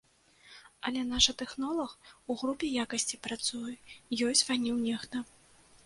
Але наша тэхнолаг, у групе якасці працуе, ёй званіў нехта.